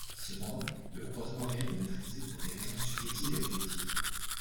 Cependant, le comportement réel est neutralisé pour des raisons subjectives et objectives.